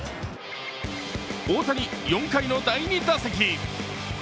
大谷、４回の第２打席。